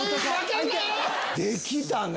できたね。